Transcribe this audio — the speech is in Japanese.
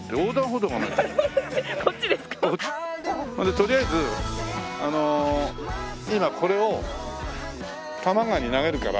とりあえずあの今これを多摩川に投げるから。